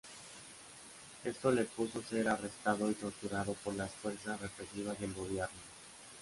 Esto le supuso ser arrestado y torturado por las fuerzas represivas del gobierno.